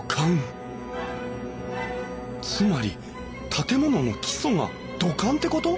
つまり建物の基礎が土管ってこと！？